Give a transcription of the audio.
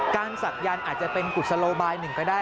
ศักยันต์อาจจะเป็นกุศโลบายหนึ่งก็ได้